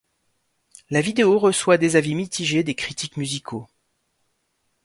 La vidéo reçoit des avis mitigées des critiques musicaux.